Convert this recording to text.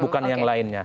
bukan yang lainnya